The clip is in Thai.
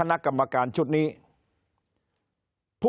คนในวงการสื่อ๓๐องค์กร